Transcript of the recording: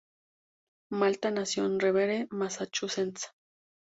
Malta nació en Revere, Massachusetts.